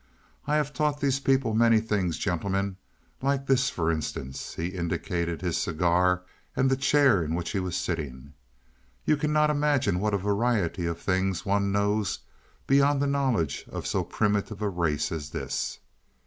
I have taught these people many things, gentlemen like this for instance." He indicated his cigar, and the chair in which he was sitting. "You cannot imagine what a variety of things one knows beyond the knowledge of so primitive a race as this.